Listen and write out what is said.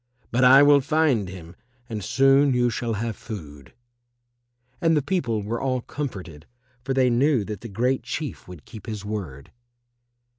But I will find him and soon you shall have food." And the people were all comforted, for they knew that the Great Chief would keep his word.